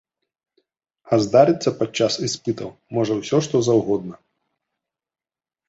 А здарыцца падчас іспытаў можа ўсё што заўгодна.